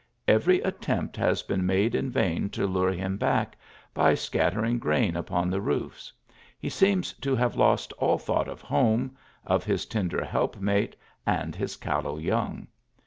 Every attempt has been made in vain to lure him. back, by scattering grain upon the roofs ; he seenxs to have lost all thought of hrvne, of his tender help mate and his callow young.